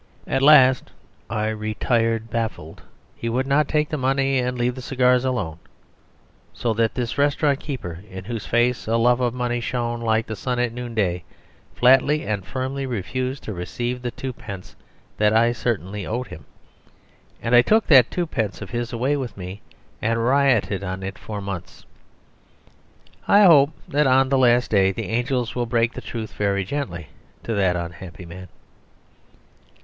At last I retired baffled: he would not take the money and leave the cigars alone. So that this restaurant keeper (in whose face a love of money shone like the sun at noonday) flatly and firmly refused to receive the twopence that I certainly owed him; and I took that twopence of his away with me and rioted on it for months. I hope that on the last day the angels will break the truth very gently to that unhappy man.